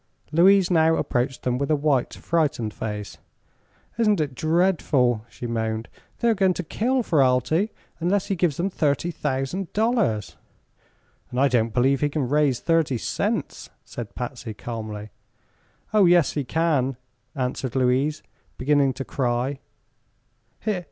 Louise now approached them with a white, frightened face. "Isn't it dreadful!" she moaned. "They are going to kill Ferralti unless he gives them thirty thousand dollars." "And I don't believe he can raise thirty cents," said Patsy, calmly. "Oh, yes, he can," answered Louise, beginning to cry.